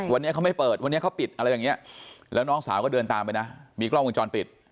วันนี้เขาไม่เปิดวันนี้เขาปิดอะไรแบบนี้แล้วน้องสาวก็เดินตามไปนะมีกล้องวงจรปิด